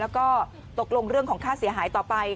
แล้วก็ตกลงเรื่องของค่าเสียหายต่อไป